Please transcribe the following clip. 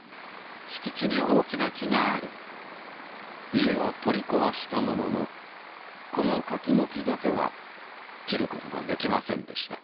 家は取り壊したもののこの柿の木だけは切ることができませんでした。